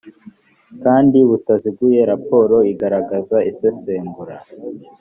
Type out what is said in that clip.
kandi butaziguye raporo igaragaza isesengura